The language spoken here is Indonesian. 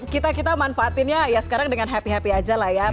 kita kita manfaatinnya ya sekarang dengan happy happy aja lah ya